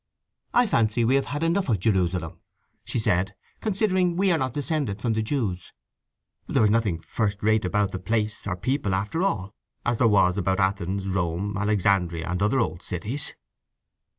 "I fancy we have had enough of Jerusalem," she said, "considering we are not descended from the Jews. There was nothing first rate about the place, or people, after all—as there was about Athens, Rome, Alexandria, and other old cities."